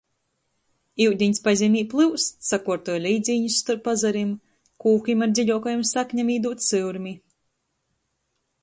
Iudiņs pazemē plyust, sakuortoj leidzīņus storp azarim, kūkim ar dziļuokajom saknem īdūd syurmi.